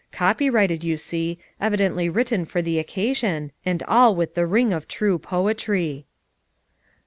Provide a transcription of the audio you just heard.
Copyrighted, you see; evidently written for the occasion, and all with the ring of true poetry."